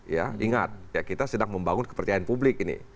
ya ingat ya kita sedang membangun kepercayaan publik ini